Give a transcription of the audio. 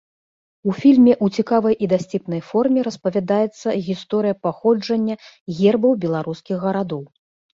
У фільме ў цікавай і дасціпнай форме распавядаецца гісторыя паходжання гербаў беларускіх гарадоў.